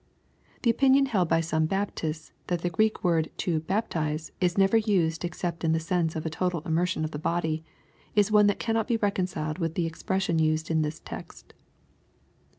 The opinion held by some Baptists that the Greek word to " baptize" is never used except in the sense of a total immersion of the body, is one that cannot be reconciled with the expression used in this text.